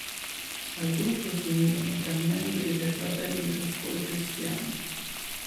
Al gruppo si unirono tre membri dei Fratelli delle scuole cristiane.